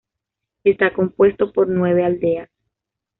Está compuesto por nueve aldeas.